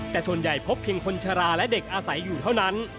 แต่ส่วนใหญ่พบเพียงคนชะลาและเด็กอาศัยอยู่เท่านั้น